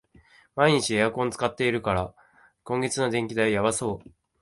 毎日エアコン使ってるから、今月の電気代やばそう